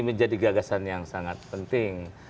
ini menjadi gagasan yang sangat penting